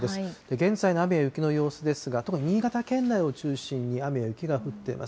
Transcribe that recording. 現在の雨や雪の様子ですが、特に新潟県内を中心に雨や雪が降っています。